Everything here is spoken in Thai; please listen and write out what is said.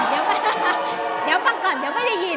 เดี๋ยวมีไปค่ะเดี๋ยวกลับก่อนเดี๋ยวไม่ได้ยินค่ะ